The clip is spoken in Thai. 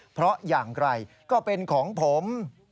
เพราะอย่างไรก็เป็นของผม